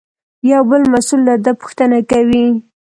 یو بل مسوول له ده پوښتنه کوي.